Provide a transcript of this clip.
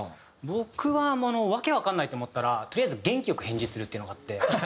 僕はもう訳わかんないと思ったらとりあえず元気よく返事するっていうのがあって。